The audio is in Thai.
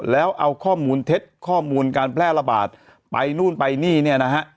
แล้วเอาข้อมูลเท็จข้อมูลการแพร่ระบาดไปนู่นไปนี่เนี่ยนะฮะ